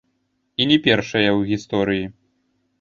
І не першыя ў гісторыі.